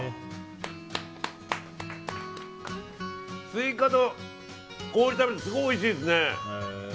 スイカと氷と食べるとすごいおいしいですね。